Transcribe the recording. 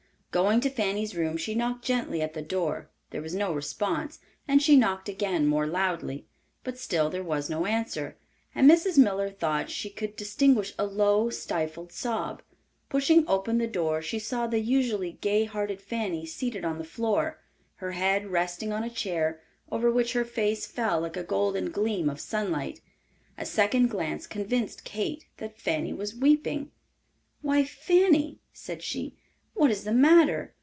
Going to Fanny's room she knocked gently at the door; there was no response, and she knocked again more loudly. But still there was no answer; and Mrs. Miller thought she could distinguish a low, stifled sob. Pushing open the door, she saw the usually gay hearted Fanny seated on the floor, her head resting on a chair, over which her hair fell like a golden gleam of sunlight. A second glance convinced Kate that Fanny was weeping. "Why, Fanny," said she, "what is the matter?